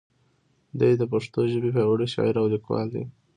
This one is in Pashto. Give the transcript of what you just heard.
دی د پښتو ژبې پیاوړی شاعر او لیکوال دی.